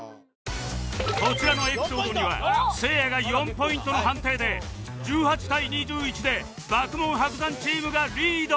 こちらのエピソードにはせいやが４ポイントの判定で１８対２１で爆問伯山チームがリード！